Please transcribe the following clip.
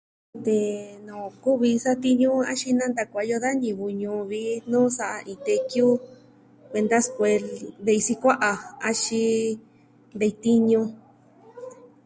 De nuu kuvi satiñu axin nanta kuaiyo da ñivɨ ñuu vi nuu sa'a iin tekiu, kuenta ve'i sukua'a axin ve'i tiñu.